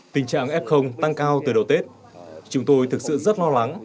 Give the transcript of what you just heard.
tình trạng f tăng cao từ đầu tết chúng tôi thực sự rất lo lắng